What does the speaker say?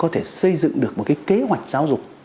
để xây dựng được một cái kế hoạch giáo dục